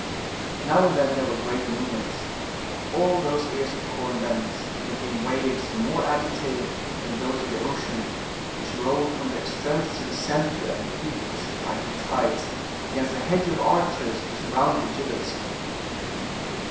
Now and then there were great movements. All those ears of corn bent, and became waves more agitated than those of the ocean, which rolled from the extremities to the center, and beat, like the tides, against the hedge of archers who surrounded the gibbets.